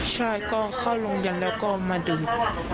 ใช่ก็เข้าโรงยันทร์แล้วก็มาดื่ม